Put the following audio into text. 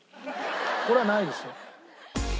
これはないですよ。